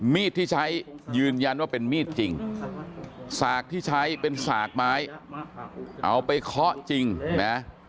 มีดที่ใช้ยืนยันว่าเป็นมีดจริงสากที่ใช้เป็นสากไม้เอาไปเคาะจริงนะ